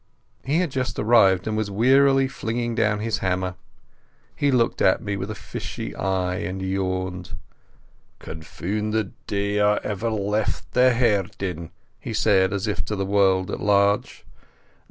He had just arrived, and was wearily flinging down his hammer. He looked at me with a fishy eye and yawned. "Confoond the day I ever left the herdin'!" he said, as if to the world at large.